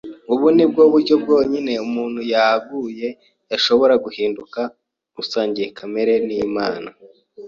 Ubu ni bwo buryo bwonyine umuntu waguye yashoboraga guhinduka usangiye kamere n’Imana.